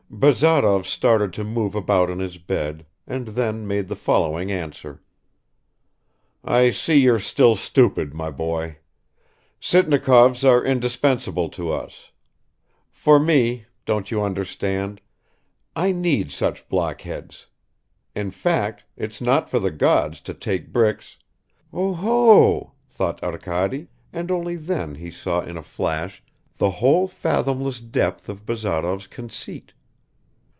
Bazarov started to move about in his bed, and then made the following answer: "I see you're still stupid, my boy. Sitnikovs are indispensable to us. For me, don't you understand I need such blockheads. In fact, it's not for the gods to bake bricks ..." "Oho!" thought Arkady, and only then he saw in a flash the whole fathomless depth of Bazarov's conceit.